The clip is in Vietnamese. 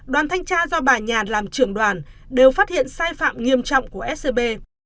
đoàn thanh tra do bà nhàn làm trưởng đoàn đều phát hiện sai phạm nghiêm trọng của scb